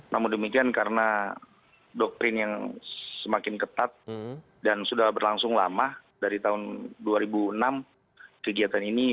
namun demikian karena doktrin yang semakin ketat dan sudah berlangsung lama dari tahun dua ribu enam kegiatan ini